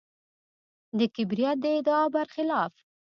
د کبریت د ادعا برخلاف.